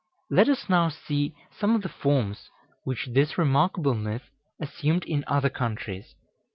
Let us now see some of the forms which this remarkable myth assumed in other countries.